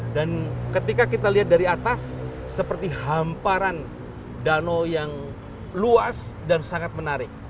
dan ketika kita lihat dari atas seperti hamparan danau yang luas dan sangat menarik